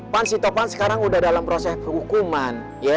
pan si topan sekarang udah dalam proses penghukuman